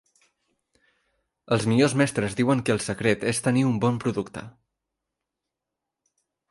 Els millors mestres diuen que el secret és tenir un bon producte.